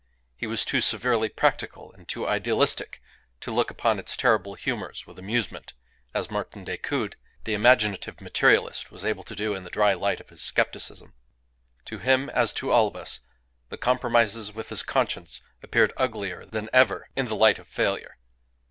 He was too severely practical and too idealistic to look upon its terrible humours with amusement, as Martin Decoud, the imaginative materialist, was able to do in the dry light of his scepticism. To him, as to all of us, the compromises with his conscience appeared uglier than ever in the light of failure.